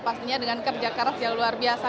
pastinya dengan kerja keras yang luar biasa